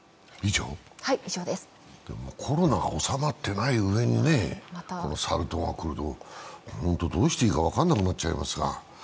コロナが収まってないうえにサル痘が来ると、本当どうしていいか分からなくなってしまいますが。